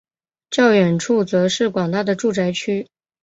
较远处则是广大的住宅区。